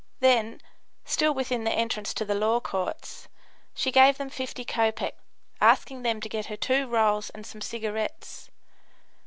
Then, still within the entrance to the Law Courts, she gave them 50 copecks, asking them to get her two rolls and some cigarettes.